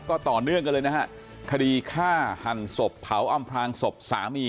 ก็ต่อเนื่องกันเลยนะฮะคดีฆ่าหันศพเผาอำพลางศพสามี